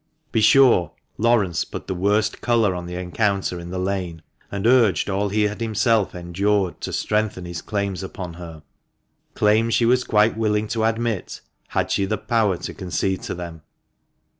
Be sure Laurence put the worst colour on the encounter in the lane, and urged all he had himself endured to strengthen his claims upon her — claims she was quite willing to admit, had she the power to concede to them.